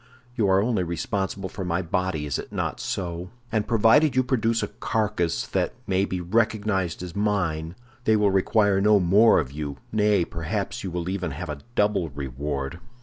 You are only responsible for my body, is it not so? And provided you produce a carcass that may be recognized as mine, they will require no more of you; nay, perhaps you will even have a double reward."